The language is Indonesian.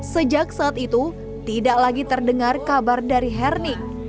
sejak saat itu tidak lagi terdengar kabar dari herning